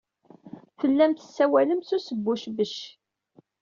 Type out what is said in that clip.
Tellam tessawalem s usbucbec.